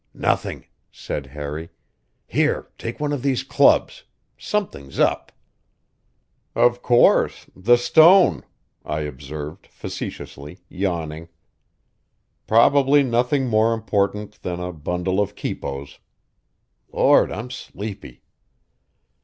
"Nothing," said Harry. "Here, take one of these clubs. Something's up." "Of course the stone," I observed facetiously, yawning. "Probably nothing more important than a bundle of quipos. Lord, I'm sleepy!"